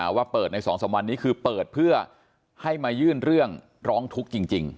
ว่าเปิดใน๒๓วันนี้คือเปิดเพื่อให้มายื่นเรื่องร้องทุกข์จริง